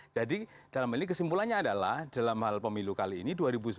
jadi dalam hal ini kesimpulannya adalah dalam hal pemilu kali ini dua ribu sembilan belas